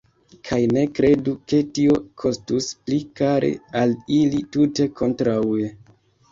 Kaj ne kredu, ke tio kostus pli kare al ili: tute kontraŭe!